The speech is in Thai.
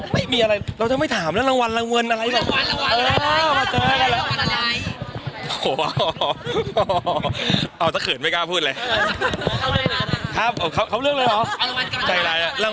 เหมือนกัน